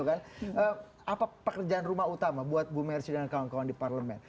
apa pekerjaan rumah utama buat bu mercy dan kawan kawan di parlemen